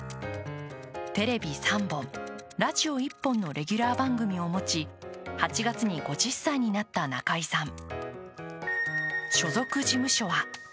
テレビ３本、ラジオ１本のレギュラー番組を持ち８月に５０歳になった中居さん。